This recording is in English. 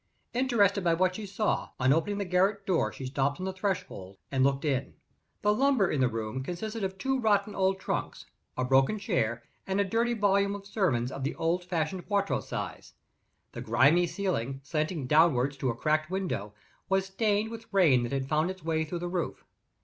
Interested by what she saw, on opening the garret door, she stopped on the threshold and looked in. The lumber in the room consisted of two rotten old trunks, a broken chair, and a dirty volume of sermons of the old fashioned quarto size. The grimy ceiling, slanting downward to a cracked window, was stained with rain that had found its way through the roof.